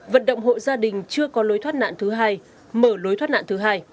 vận động hộ gia đình chưa có lối thoát nạn thứ hai mở lối thoát nạn thứ hai